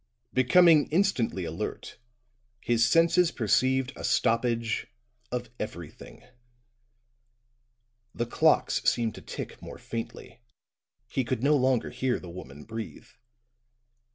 Becoming instantly alert, his senses perceived a stoppage of everything; the clocks seemed to tick more faintly, he could no longer hear the woman breathe.